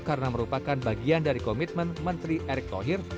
karena merupakan bagian dari komitmen menteri erick tohir